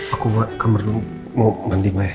aku ke kameru mau mandi maya